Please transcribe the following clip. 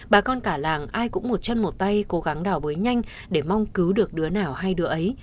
bà con cả làng ai cũng một chân một tay cố gắng đào bới nhanh để mong cứu được đứa nào hay đứa ấy